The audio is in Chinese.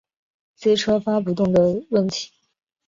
机车发不动的问题